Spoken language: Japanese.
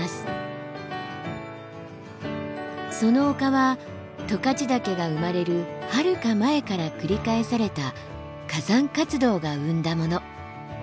その丘は十勝岳が生まれるはるか前から繰り返された火山活動が生んだもの。